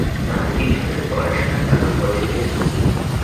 তার স্কুলের পড়াশোনা ঢাকা কলেজিয়েট স্কুলে।